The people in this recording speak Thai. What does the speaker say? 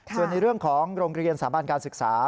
ส่วนในเรื่องของโรงเรียนสถาบันการศึกษา